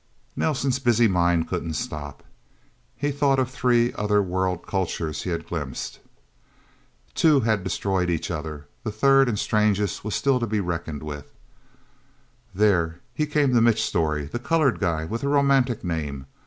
Nelsen's busy mind couldn't stop. He thought of three other world cultures he had glimpsed. Two had destroyed each other. The third and strangest was still to be reckoned with... There, he came to Mitch Storey, the colored guy with the romantic name.